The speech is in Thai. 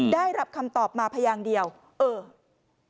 ได้รับคำตอบมาพยางเดียวเออ